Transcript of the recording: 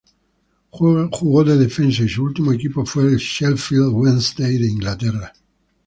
Jugó de defensa y su último equipo fue el Sheffield Wednesday de Inglaterra.